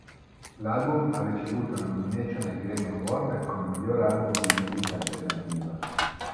L'album ha ricevuto una nomination ai Grammy Award come miglior album di musica alternativa.